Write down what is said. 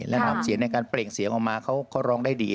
และน้ำเสียงในการเปล่งเสียงออกมาเขาร้องได้ดี